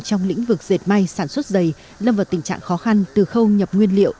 trong lĩnh vực dệt may sản xuất dày lâm vào tình trạng khó khăn từ khâu nhập nguyên liệu